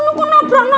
aku pergi dulu ya